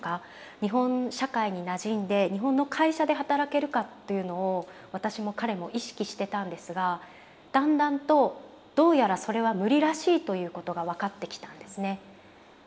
日本社会になじんで日本の会社で働けるかというのを私も彼も意識してたんですがだんだんとどうやらそれは無理らしいということが分かってきたんですね。